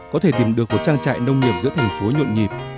có thể tìm được một trang trại nông nghiệp giữa thành phố nhộn nhịp